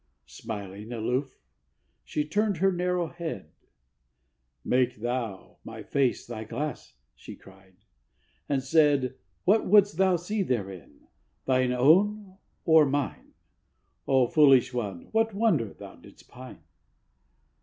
Smiling, aloof, she turned her narrow head, 'Make thou my face thy glass,' she cried and said. 'What would'st thou see thereinŌĆöthine own, or mine? O foolish one, what wonder thou did'st pine?